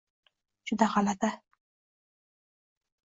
Juda g`alati